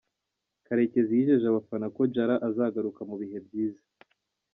Karekezi yijeje abafana ko Diarra azagaruka mu bihe byiza.